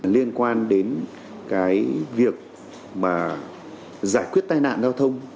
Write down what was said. liên quan đến cái việc mà giải quyết tai nạn giao thông